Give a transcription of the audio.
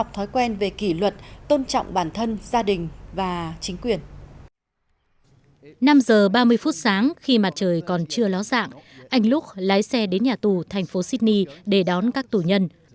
trong một đêm sáng khi mặt trời còn chưa ló dạng anh luke lái xe đến nhà tù thành phố sydney để đón các tù nhân